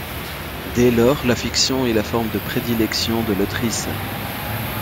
Dès lors, la fiction est la forme de prédilection de l’autrice.